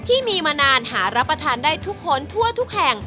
ที่มีมานานหารับประทานได้ทุกคนทั่วทุกแห่ง